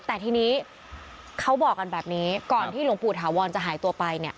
แต่ทีนี้เขาบอกกันแบบนี้ก่อนที่หลวงปู่ถาวรจะหายตัวไปเนี่ย